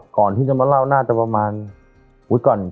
ก่อนที่จะมาเล่าน่าจะประมาณ